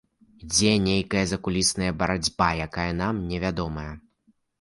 Ідзе нейкая закулісная барацьба, якая нам невядомая.